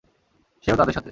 সেও তাদের সাথে!